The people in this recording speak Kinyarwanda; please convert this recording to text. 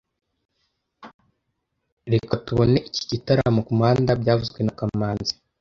Reka tubone iki gitaramo kumuhanda byavuzwe na kamanzi